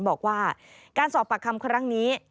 บอกว่าการสอบปากคำครั้งนี้